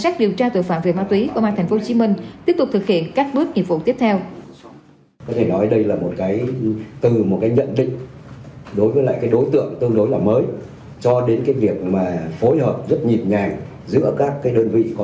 tiếp tục thực hiện các bước nghiệp vụ tiếp theo